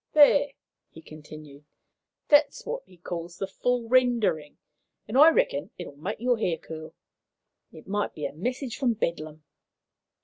"There," he continued, "that's what he calls the 'full rendering,' and I reckon it'll make your hair curl. It might be a message from Bedlam."